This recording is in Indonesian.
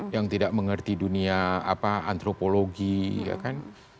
yang tidak mengerti dunia antropologi ya kan